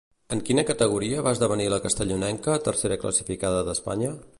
En quina categoria va esdevenir la castellonenca tercera classificada d'Espanya?